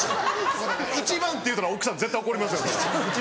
「一番」って言うたら奥さん絶対怒りますよ。